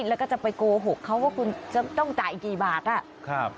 แล้วก็ไปโกหกเขาว่าคุณความต้องจ่ายไปเกี่ยวกับบาท